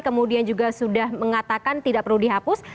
kemudian juga sudah mengatakan tidak perlu dihapus